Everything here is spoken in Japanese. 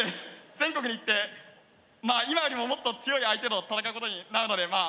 全国に行って今よりももっと強い相手と戦うことになるのでまあ